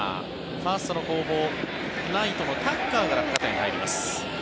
ファーストの後方ライトのタッカーが落下点に入ります。